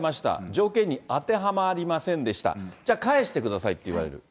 条件に当てはまりませんでした、じゃあ、返してくださいって言われる。